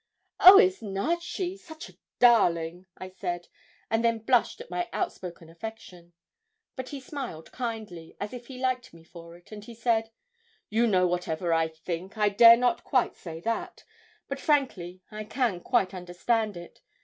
'Oh, is not she? such a darling!' I said, and then blushed at my outspoken affection. But he smiled kindly, as if he liked me for it; and he said 'You know whatever I think, I dare not quite say that; but frankly I can quite understand it.